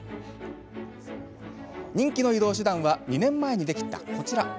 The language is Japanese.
人気の移動手段は２年前にできた、こちら。